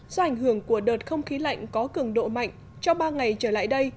do ảnh hưởng của đợt không khí lạnh có cường độ mạnh trong ba ngày trở lại đây